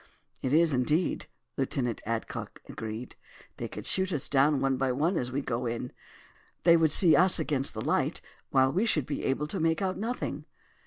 "It is, indeed," Lieutenant Adcock agreed. "They could shoot us down one by one as we go in. They would see us against the light, while we should be able to make out nothing."